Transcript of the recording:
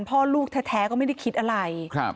พ่อลูกแท้ก็ไม่ได้คิดอะไร